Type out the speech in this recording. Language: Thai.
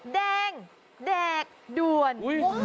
แดงแดกด่วน